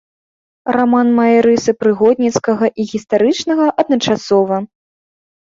Раман мае рысы прыгодніцкага і гістарычнага адначасова.